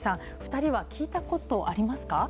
２人は聞いたことありますか？